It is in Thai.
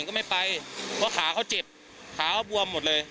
กู้ภัยก็เลยมาช่วยแต่ฝ่ายชายก็เลยมาช่วย